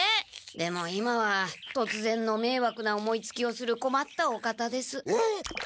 でも今はとつぜんのめいわくな思いつきをするこまったお方です。